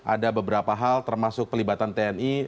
ada beberapa hal termasuk pelibatan tni